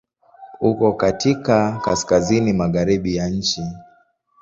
Uko katika Kaskazini magharibi ya nchi.